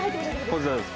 こちらです